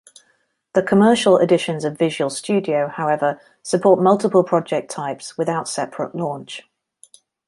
The commercial editions of Visual Studio, however, support multiple project types without separate launch.